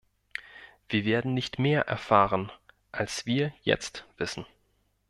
Wir werden nicht mehr erfahren, als wir jetzt wissen.